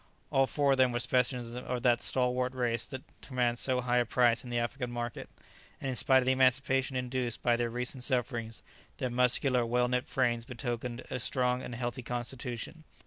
All four of them were specimens of that stalwart race that commands so high a price in the African market, and in spite of the emaciation induced by their recent sufferings, their muscular, well knit frames betokened a strong and healthy constitution.